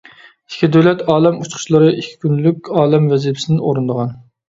ئىككى دۆلەت ئالەم ئۇچقۇچىلىرى ئىككى كۈنلۈك ئالەم ۋەزىپىسىنى ئورۇندىغان.